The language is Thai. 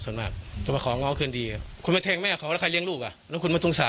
ผมว่าอะไรก็อยากให้เขาการก็ก็เชียบนะครับ